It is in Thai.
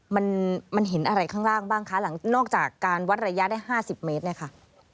มันมันเห็นอะไรข้างล่างบ้างคะหลังนอกจากการวัดระยะได้๕๐เมตรเนี่ยค่ะ